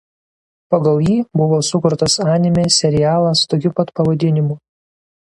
Pagal jį buvo sukurtas anime serialas tokiu pat pavadinimu.